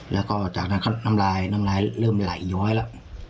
แล้วก็จากนั้นเขาน้ำลายน้ำลายเริ่มไหลย้อยแล้ว